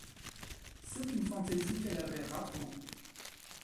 C'est une fantaisie qu'elle avait rarement.